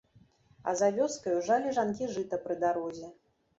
А за вёскаю жалі жанкі жыта пры дарозе.